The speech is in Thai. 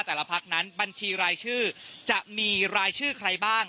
พักนั้นบัญชีรายชื่อจะมีรายชื่อใครบ้าง